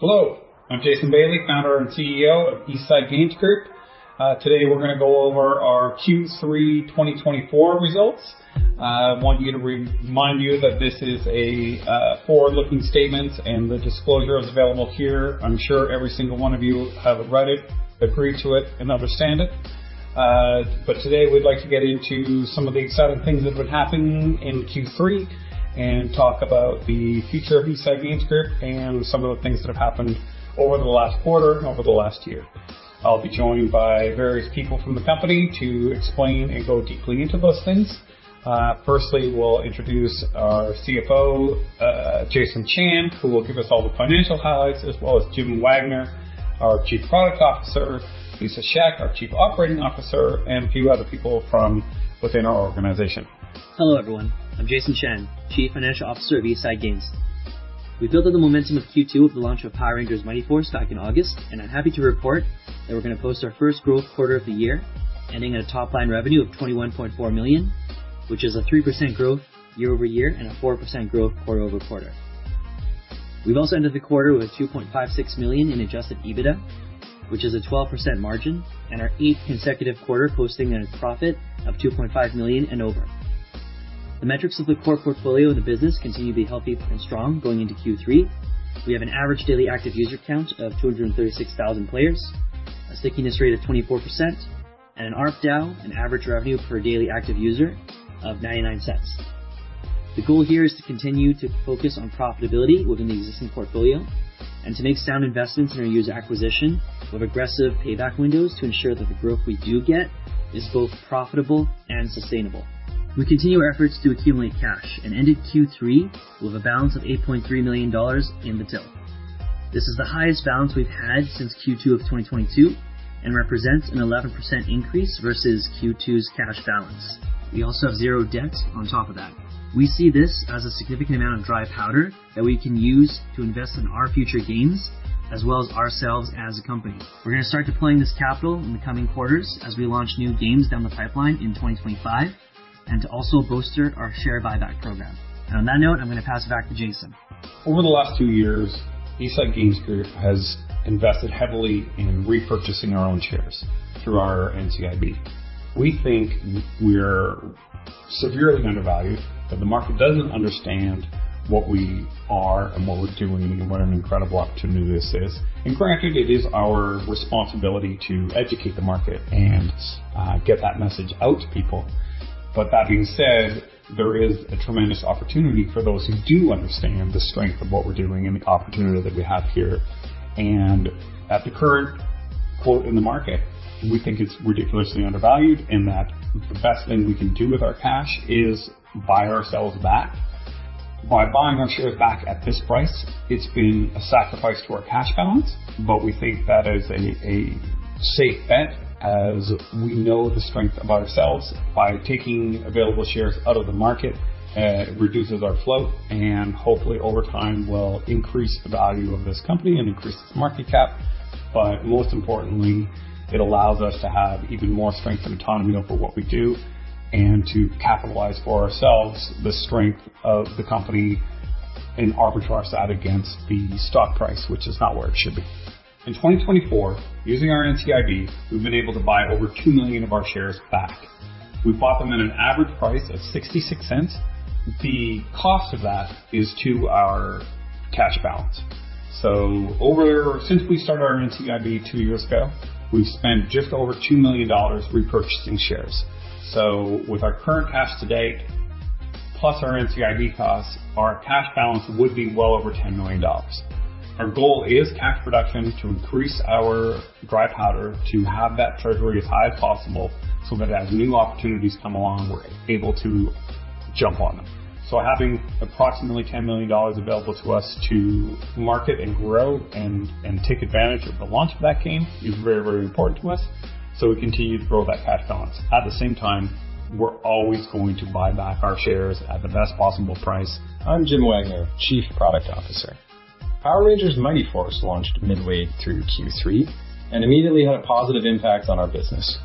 Hello. I'm Jason Bailey, founder and CEO of East Side Games Group. Today we're going to go over our Q3 2024, results. I want you to remind you that this is a forward-looking statement, and the disclosure is available here. I'm sure every single one of you have read it, agreed to it, and understand it. But today we'd like to get into some of the exciting things that have been happening in Q3 and talk about the future of East Side Games Group and some of the things that have happened over the last quarter and over the last year. I'll be joined by various people from the company to explain and go deeply into those things. Firstly, we'll introduce our CFO, Jason Chan, who will give us all the financial highlights, as well as Jim Wagner, our Chief Product Officer, Lisa Shek, our Chief Operating Officer, and a few other people from within our organization. Hello everyone. I'm Jason Chan, Chief Financial Officer of East Side Games Group. We built on the momentum of Q2 with the launch of Power Rangers: Mighty Force back in August, and I'm happy to report that we're going to post our first growth quarter of the year, ending at a top-line revenue of 21.4 million, which is a 3% growth year over year and a 4% growth quarter over quarter. We've also ended the quarter with 2.56 million in Adjusted EBITDA, which is a 12% margin, and our eighth consecutive quarter posting a profit of 2.5 million and over. The metrics of the core portfolio and the business continue to be healthy and strong going into Q3. We have an average daily active user count of 236,000 players, a stickiness rate of 24%, and an ARPDAU, an average revenue per daily active user, of 0.99. The goal here is to continue to focus on profitability within the existing portfolio and to make sound investments in our user acquisition with aggressive payback windows to ensure that the growth we do get is both profitable and sustainable. We continue our efforts to accumulate cash and ended Q3 with a balance of 8.3 million dollars in the till. This is the highest balance we've had since Q2 of 2022, and represents an 11% increase versus Q2's cash balance. We also have zero debt on top of that. We see this as a significant amount of dry powder that we can use to invest in our future games as well as ourselves as a company. We're going to start deploying this capital in the coming quarters as we launch new games down the pipeline in 2025, and to also bolster our share buyback program. On that note, I'm going to pass it back to Jason. Over the last two years, East Side Games Group has invested heavily in repurchasing our own shares through our NCIB. We think we're severely undervalued, that the market doesn't understand what we are and what we're doing and what an incredible opportunity this is, and granted, it is our responsibility to educate the market and get that message out to people, but that being said, there is a tremendous opportunity for those who do understand the strength of what we're doing and the opportunity that we have here, and at the current quote in the market, we think it's ridiculously undervalued and that the best thing we can do with our cash is buy ourselves back. By buying our shares back at this price, it's been a sacrifice to our cash balance, but we think that is a safe bet as we know the strength of ourselves. By taking available shares out of the market, it reduces our float and hopefully over time will increase the value of this company and increase its market cap. But most importantly, it allows us to have even more strength and autonomy over what we do and to capitalize for ourselves the strength of the company and arbitrage that against the stock price, which is not where it should be. In 2024, using our NCIB, we've been able to buy over 2 million of our shares back. We bought them at an average price of 0.66. The cost of that is to our cash balance. So over since we started our NCIB two years ago, we've spent just over 2 million dollars repurchasing shares. So with our current cash today, plus our NCIB costs, our cash balance would be well over 10 million dollars. Our goal is cash production to increase our dry powder to have that treasury as high as possible so that as new opportunities come along, we're able to jump on them. So having approximately $10 million available to us to market and grow and take advantage of the launch of that game is very, very important to us. So we continue to grow that cash balance. At the same time, we're always going to buy back our shares at the best possible price. I'm Jim Wagner, Chief Product Officer. Power Rangers: Mighty Force launched midway through Q3 and immediately had a positive impact on our business.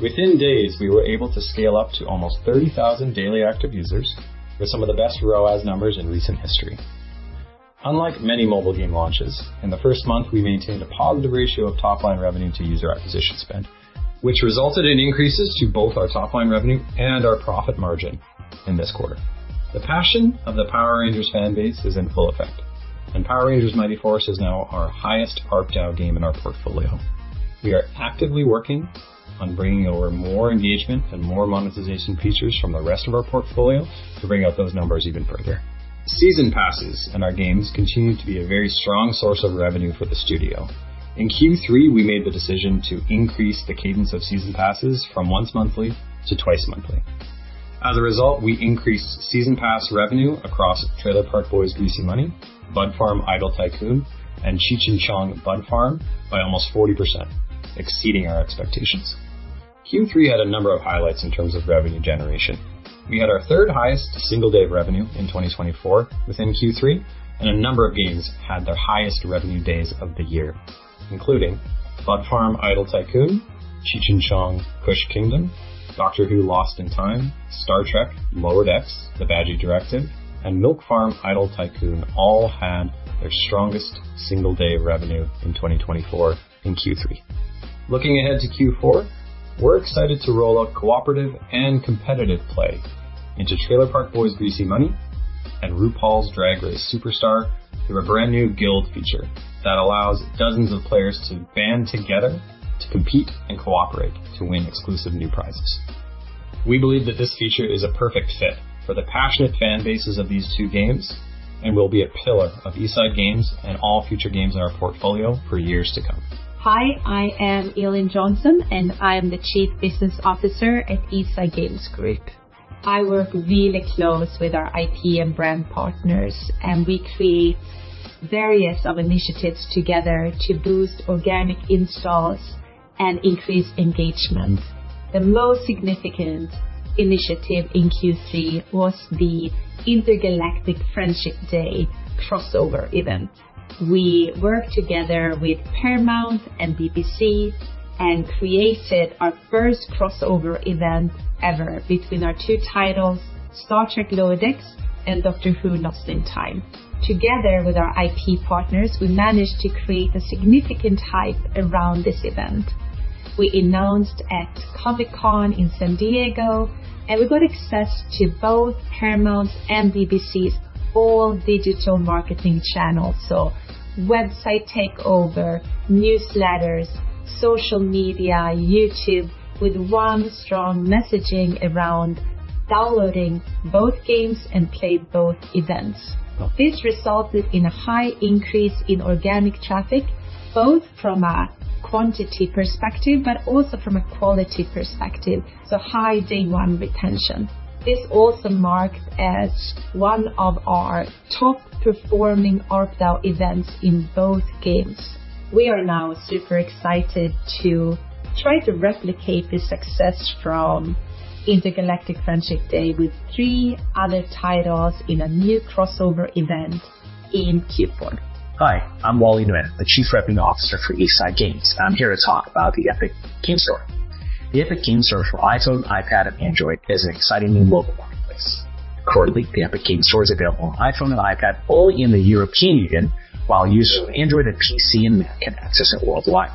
Within days, we were able to scale up to almost 30,000 daily active users with some of the best ROAS numbers in recent history. Unlike many mobile game launches, in the first month, we maintained a positive ratio of top-line revenue to user acquisition spend, which resulted in increases to both our top-line revenue and our profit margin in this quarter. The passion of the Power Rangers fanbase is in full effect, and Power Rangers: Mighty Force is now our highest ARPDAU game in our portfolio. We are actively working on bringing over more engagement and more monetization features from the rest of our portfolio to bring out those numbers even further. Season passes and our games continue to be a very strong source of revenue for the studio. In Q3, we made the decision to increase the cadence of season passes from once monthly to twice monthly. As a result, we increased season pass revenue across Trailer Park Boys: Greasy Money, Bud Farm: Idle Tycoon, and Cheech & Chong Bud Farm by almost 40%, exceeding our expectations. Q3 had a number of highlights in terms of revenue generation. We had our third highest single-day revenue in 2024, within Q3, and a number of games had their highest revenue days of the year, including Bud Farm: Idle Tycoon, Cheech & Chong: Kush Kingdom, Doctor Who: Lost in Time, Star Trek: Lower Decks - The Badgey Directive, and Milk Farm Tycoon all had their strongest single-day revenue in 2024, in Q3. Looking ahead to Q4, we're excited to roll out cooperative and competitive play into Trailer Park Boys: Greasy Money and RuPaul's Drag Race Superstar through a brand new guild feature that allows dozens of players to band together to compete and cooperate to win exclusive new prizes. We believe that this feature is a perfect fit for the passionate fanbases of these two games and will be a pillar of East Side Games and all future games in our portfolio for years to come. Hi, I am Elin Jonsson, and I am the Chief Business Officer at East Side Games Group. Great. I work really close with our IP and brand partners, and we create various initiatives together to boost organic installs and increase engagement. The most significant initiative in Q3 was the Intergalactic Friendship Day crossover event. We worked together with Paramount and BBC and created our first crossover event ever between our two titles, Star Trek: Lower Decks and Doctor Who: Lost in Time. Together with our IP partners, we managed to create a significant hype around this event. We announced at Comic-Con in San Diego, and we got access to both Paramount's and BBC's all-digital marketing channels. So website takeover, newsletters, social media, YouTube, with one strong messaging around downloading both games and playing both events. This resulted in a high increase in organic traffic, both from a quantity perspective but also from a quality perspective. So high day one retention. This also marked as one of our top-performing ARPDAU events in both games. We are now super excited to try to replicate the success from Intergalactic Friendship Day with three other titles in a new crossover event in Q4. Hi, I'm Wally Nguyen, the Chief Revenue Officer for East Side Games Group, and I'm here to talk about the Epic Games Store. The Epic Games Store for iPhone, iPad, and Android is an exciting new mobile marketplace. Currently, the Epic Games Store is available on iPhone and iPad only in the European Union, while users of Android and PC and Mac can access it worldwide.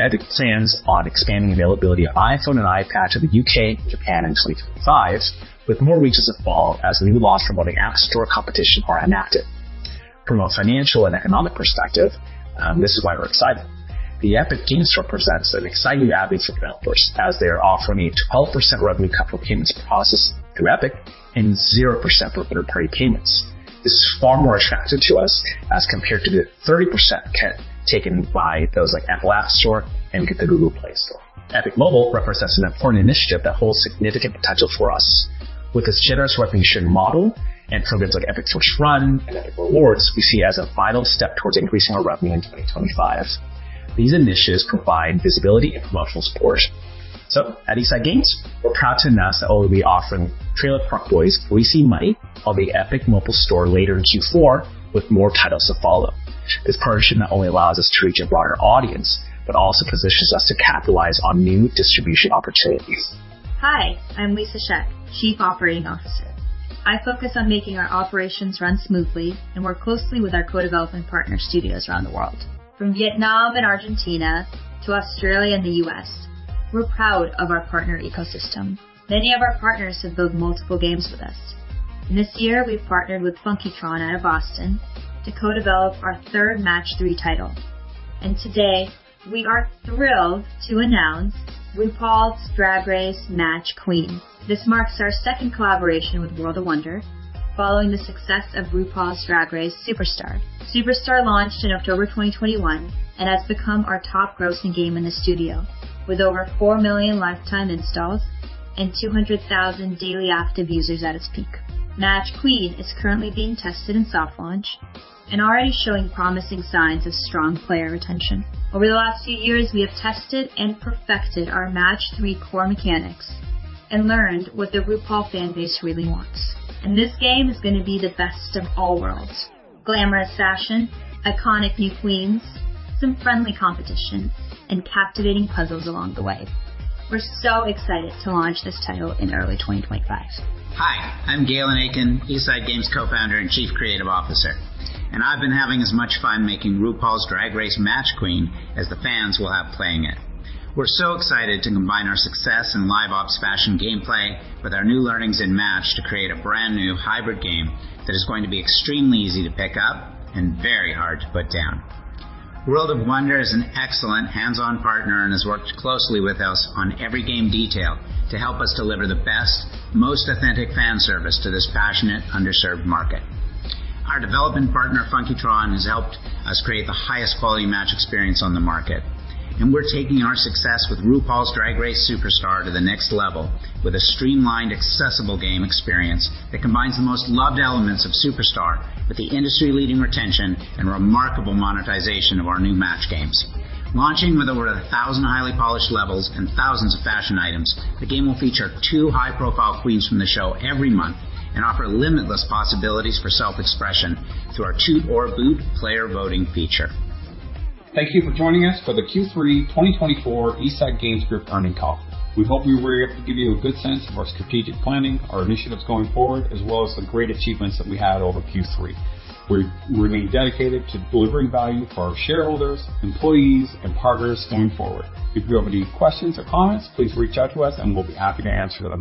Epic plans on expanding availability of iPhone and iPad to the U.K. and Japan in 2025, with more regions to follow as the new laws promoting app store competition are enacted. From a financial and economic perspective, this is why we're excited. The Epic Games Store presents an exciting avenue for developers as they are offering a 12% revenue cut for payments processed through Epic and 0% for third-party payments. This is far more attractive to us as compared to the 30% cut taken by those like Apple's App Store and the Google Play Store. The Epic Games Store represents an important initiative that holds significant potential for us. With its generous revenue-sharing model and programs like Epic First Run and Epic Rewards, we see it as a vital step towards increasing our revenue in 2025. These initiatives provide visibility and promotional support so at East Side Games, we're proud to announce that we'll be offering Trailer Park Boys: Greasy Money on the Epic Games Store later in Q4, with more titles to follow. This partnership not only allows us to reach a broader audience, but also positions us to capitalize on new distribution opportunities. Hi, I'm Lisa Shek, Chief Operating Officer. I focus on making our operations run smoothly and work closely with our co-development partner studios around the world. From Vietnam and Argentina to Australia and the U.S., we're proud of our partner ecosystem. Many of our partners have built multiple games with us. This year, we partnered with Funkitron out of Boston to co-develop our third match-3 title, and today we are thrilled to announce RuPaul's Drag Race Match Queen. This marks our second collaboration with World of Wonder following the success of RuPaul's Drag Race Superstar. Superstar launched in October 2021 ,and has become our top-grossing game in the studio with over four million lifetime installs and 200,000 daily active users at its peak. Match Queen is currently being tested in soft launch and already showing promising signs of strong player retention. Over the last few years, we have tested and perfected our match-3 core mechanics and learned what the RuPaul fanbase really wants, and this game is going to be the best of all worlds: glamorous fashion, iconic new queens, some friendly competition, and captivating puzzles along the way. We're so excited to launch this title in early 2025. Hi, I'm Galen Akin, East Side Games Group Co-Founder and Chief Creative Officer, and I've been having as much fun making RuPaul's Drag Race Match Queen as the fans will have playing it. We're so excited to combine our success in live ops fashion gameplay with our new learnings in Match to create a brand new hybrid game that is going to be extremely easy to pick up and very hard to put down. World of Wonder is an excellent hands-on partner and has worked closely with us on every game detail to help us deliver the best, most authentic fan service to this passionate, underserved market. Our development partner, Funkitron, has helped us create the highest quality match experience on the market, and we're taking our success with RuPaul's Drag Race Superstar to the next level with a streamlined, accessible game experience that combines the most loved elements of Superstar with the industry-leading retention and remarkable monetization of our new match games. Launching with over 1,000 highly polished levels and thousands of fashion items, the game will feature two high-profile queens from the show every month and offer limitless possibilities for self-expression through our Toot or Boot player voting feature. Thank you for joining us for the Q3 2024, East Side Games Group earnings call. We hope we were able to give you a good sense of our strategic planning, our initiatives going forward, as well as the great achievements that we had over Q3. We remain dedicated to delivering value for our shareholders, employees, and partners going forward. If you have any questions or comments, please reach out to us, and we'll be happy to answer them.